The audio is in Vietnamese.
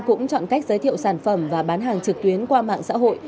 cũng chọn cách giới thiệu sản phẩm và bán hàng trực tuyến qua mạng xã hội